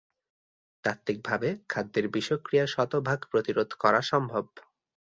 তাত্ত্বিকভাবে খাদ্যের বিষক্রিয়া শতভাগ প্রতিরোধ করা সম্ভব।